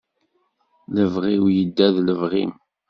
Lebɣi-w yedda d lebɣi-m.